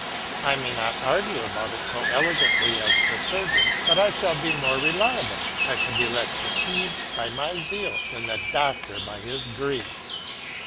I may not argue about it so elegantly as the surgeon, but I shall be more reliable, I shall be less deceived by my zeal than the doctor by his greed.